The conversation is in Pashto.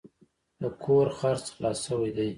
د کور خرڅ خلاص شوی دی.